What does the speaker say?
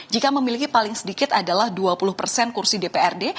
jika memiliki paling sedikit adalah dua puluh persen kursi dprd